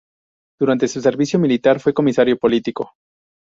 Durante su servicio militar, fue comisario político.